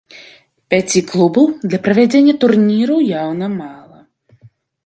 Пяці клубаў для правядзення турніру яўна мала.